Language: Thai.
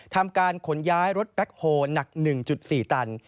ทำการขนย้ายรถแบ็คโฮหนัก๑๔ตัน